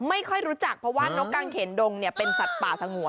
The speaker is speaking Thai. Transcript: ไม่ค่อยรู้จักเพราะว่านกกางเข็นดงเนี่ยเป็นสัตว์ป่าทั้งหัว